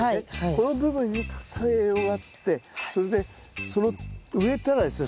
この部分にたくさん栄養があってそれで植えたらですね